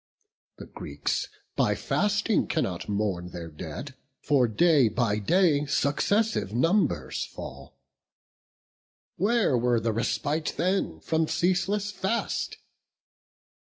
The Greeks by fasting cannot mourn their dead; For day by day successive numbers fall; Where were the respite then from ceaseless fast?